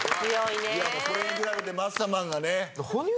それに比べてマッサマンがね。